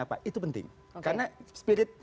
apa itu penting karena spirit